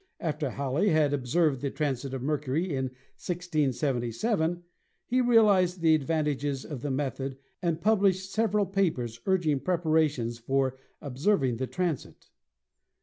After Halley had observed the transits of Mercury in 1677 he realized the advantages of the method and published sev eral papers urging preparations for observing the transit.